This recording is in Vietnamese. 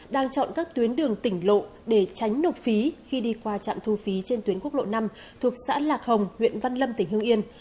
đang chọn các tuyến đường tỉnh lộ để tránh nộp phí khi đi qua trạm thu phí trên tuyến quốc lộ năm thuộc xã lạc hồng huyện văn lâm tỉnh hương yên